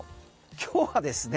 今日はですね